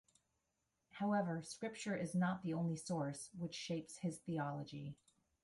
However, Scripture is not the only source which shapes his theology.